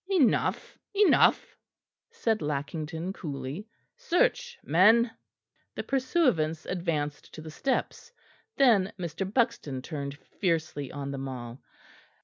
"Enough, enough," said Lackington coolly. "Search, men." The pursuivants advanced to the steps. Then Mr. Buxton turned fiercely on them all.